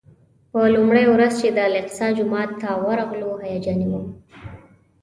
په لومړۍ ورځ چې د الاقصی جومات ته ورغلو هیجاني وم.